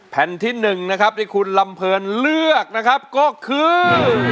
แผ่นที่๑นะครับที่คุณลำเพลินเลือกนะครับก็คือ